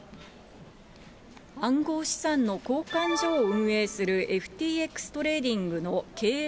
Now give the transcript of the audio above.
暗号資産の交換所を運営するＦＴＸトレーディングの経営